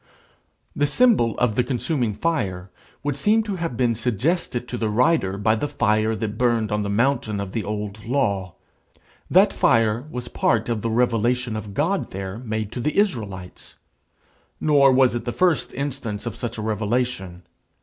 The symbol of the consuming fire would seem to have been suggested to the writer by the fire that burned on the mountain of the old law. That fire was part of the revelation of God there made to the Israelites. Nor was it the first instance of such a revelation.